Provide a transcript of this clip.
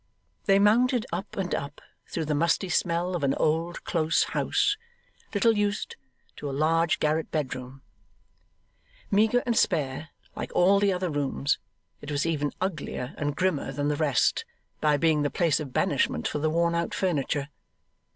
They mounted up and up, through the musty smell of an old close house, little used, to a large garret bed room. Meagre and spare, like all the other rooms, it was even uglier and grimmer than the rest, by being the place of banishment for the worn out furniture.